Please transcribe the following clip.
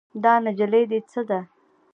دا نجلۍ دې څه ده؟